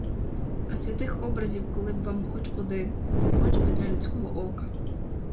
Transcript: А святих образів коли б вам хоч один, хоч би для людського ока!